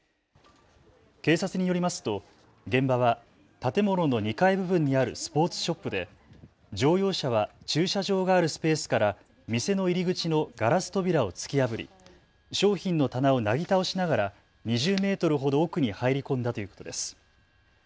警察によりますと現場は建物の２階部分にあるスポーツショップで乗用車は駐車場があるスペースから店の入り口のガラス扉を突き破り商品の棚をなぎ倒しながら２０メートルほど奥に入り込んだということです。